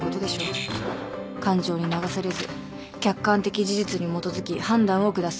感情に流されず客観的事実に基づき判断を下す。